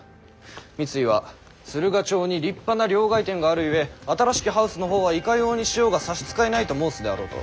三井は駿河町に立派な両替店があるゆえ新しきハウスの方はいかようにしようが差し支えないと申すであろうと。